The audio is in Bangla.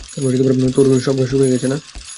তোর সব ঘা শুকিয়ে গেছে?